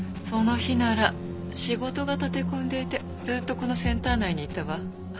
その日なら仕事が立て込んでいてずっとこのセンター内にいたわ。